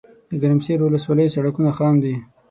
دګرمسیر ولسوالۍ سړکونه خام دي